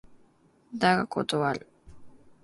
だが断る